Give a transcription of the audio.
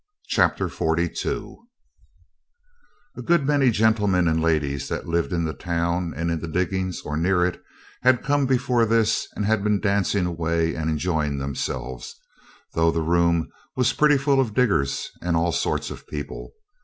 Chapter 42 A good many gentlemen and ladies that lived in the town and in the diggings, or near it, had come before this and had been dancing away and enjoying themselves, though the room was pretty full of diggers and all sorts of people.